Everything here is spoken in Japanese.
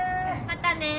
またね。